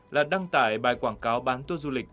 là đăng tải bài quảng cáo bán tour du lịch